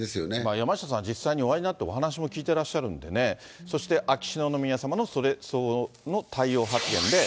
山下さんは実際にお会いになって、お話も聞いてらっしゃるのでね、そして、秋篠宮さまのそれ相応の対応発言で。